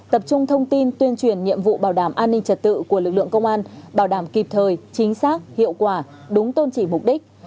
tập trung thông tin tuyên truyền nhiệm vụ bảo đảm an ninh trật tự của lực lượng công an bảo đảm kịp thời chính xác hiệu quả đúng tôn trị mục đích